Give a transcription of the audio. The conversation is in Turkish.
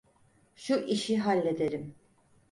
Şu işi halledelim.